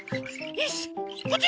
よしこっち！